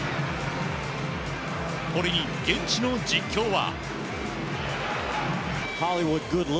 これに、現地の実況は。